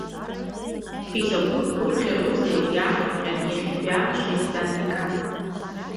Изакә гәырӷьароузеи иаалырҟьаны иахьатәи амш исзаанагаз!